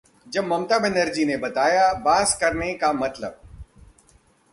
जब ममता बनर्जी ने बताया, बांस करने का मतलब...